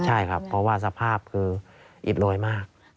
ใช่ครับเพราะว่าสภาพคืออิดโรยมาก